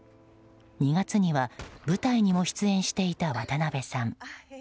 ２月には、舞台にも出演していた渡辺さん。